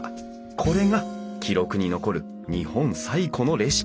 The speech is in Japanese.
これが記録に残る日本最古のレシピとされる。